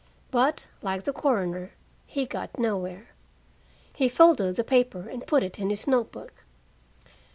But, like the coroner, he got nowhere. He folded the paper and put it in his note book.